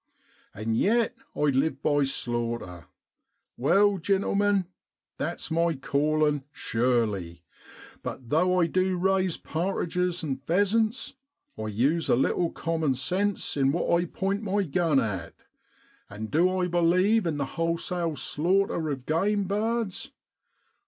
i And yet I live by slaughter ! Well, gentlemen, that's my callin', sure fo/. But though I du raise partridges an' pheasants, I use a little common sense in what I point my gun at. And du I believe in the wholesale slaughter of game birds